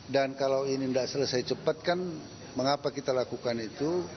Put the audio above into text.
dan kalau ini nggak selesai cepat kan mengapa kita lakukan itu